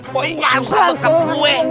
kau ingat apa kek gue